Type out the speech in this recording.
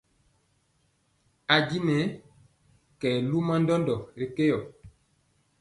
A jwii nyɛ kɛ luma ndɔndɔ ri keyɔ.